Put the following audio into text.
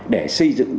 để xây dựng